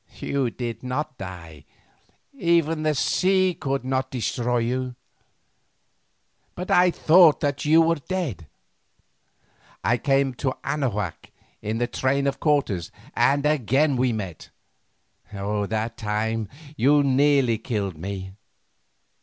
You did not die, even the sea could not destroy you. But I thought that you were dead. I came to Anahuac in the train of Cortes and again we met; that time you nearly killed me.